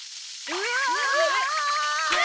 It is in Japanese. うわ！